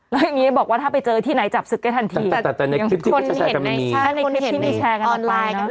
แล้วยังงี้บอกว่าถ้าไปเจอที่ไหนจับศึกได้ทันทีแต่แต่แต่ในคลิปที่มีแชร์กันไม่มีใช่ในคลิปที่มีแชร์กันออนไลน์กัน